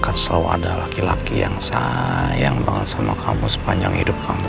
akan selalu ada laki laki yang sayang banget sama kamu sepanjang hidup kamu